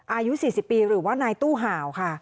อายุ๔๐ปีหรือว่านายตู้ห่าวค่ะ